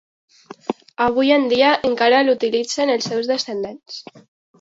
Avui en dia encara l'utilitzen els seus descendents.